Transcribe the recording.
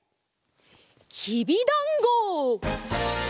きびだんご！